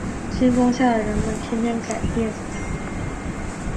星空下的人们天天改变